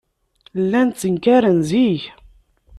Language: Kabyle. Llan ttenkaren zik.